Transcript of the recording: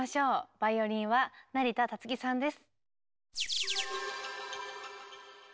バイオリンは成田達輝さんです。